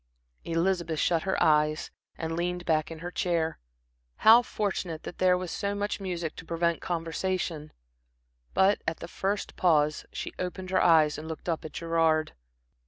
Elizabeth shut her eyes and leaned back in her chair. How fortunate that there was so much music to prevent conversation! But at the first pause she opened her eyes and looked up at Gerard.